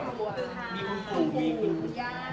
มีคุมฟู